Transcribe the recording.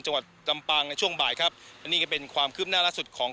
จังหวัดลำปางในช่วงบ่ายครับอันนี้ก็เป็นความคืบหน้าล่าสุดของ